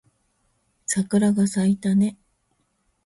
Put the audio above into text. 桜が咲いたね